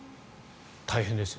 大変ですよ。